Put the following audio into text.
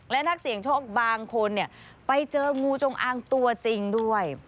และนักเสี่ยงโชคบางคนไปเจองูจงอางตัวจริงด้วย